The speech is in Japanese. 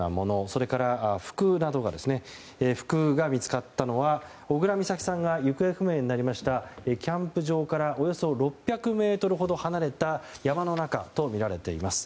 それから服が見つかったのは小倉美咲さんが行方不明になりましたキャンプ場からおよそ６００ｍほど離れた山の中とみられています。